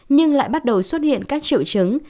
nhưng lại bắt đầu xuất hiện các triệu chứng